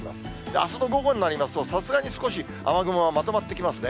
あすの午後になりますと、さすがに少し雨雲はまとまってきますね。